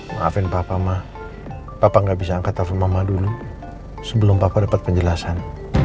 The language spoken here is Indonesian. maafin papa mah papa gak bisa angkat telepon mama dulu sebelum papa dapat penjelasan